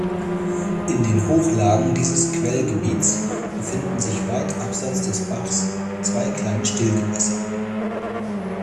In den Hochlagen dieses Quellgebiets befinden sich weit abseits des Bachs zwei kleine Stillgewässer.